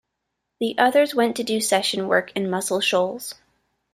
The others went to do session work in Muscle Shoals.